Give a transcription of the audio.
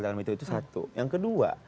dalam mito itu satu yang kedua